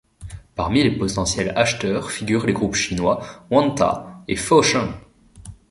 Parmi les potentiels acheteurs figurent les groupes chinois Wanda et Fosun.